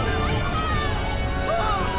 ああ！